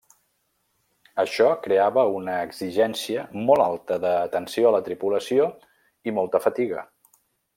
Això creava una exigència molt alta d'atenció a la tripulació i molta fatiga.